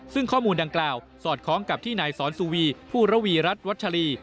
ซึ่งข้อมูลดังกล่าวสอดคล้องกับที่นายสอนสุวีผู้ระวีรัฐวัชรี